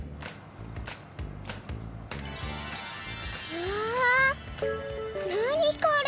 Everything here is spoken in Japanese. なにこれ！